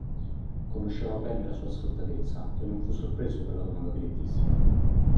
Conosceva bene la sua sfrontatezza, e non fu sorpreso per la domanda direttissima.